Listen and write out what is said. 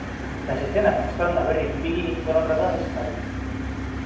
Las escenas mostrando a Berry en un bikini fueron rodadas en Cádiz.